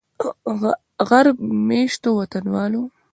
غرب میشتو وطنوالو